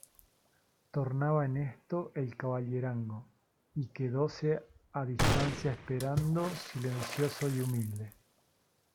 tornaba en esto el caballerango, y quedóse a distancia esperando silencioso y humilde.